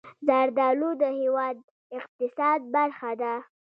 زردالو د هېواد د اقتصاد برخه ده.